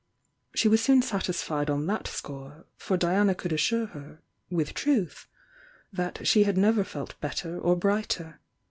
She was soon satisfied on that score, for Diana could assure her, with truth, that she had never felt better or brighter.